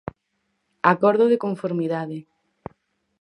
Acordo de conformidade.